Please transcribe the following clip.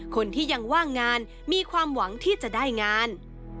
คนที่ยังว่างงานมีความหวังที่จะได้งาน